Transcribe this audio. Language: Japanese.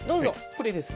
これです。